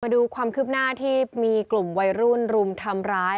ดูความคืบหน้าที่มีกลุ่มวัยรุ่นรุมทำร้าย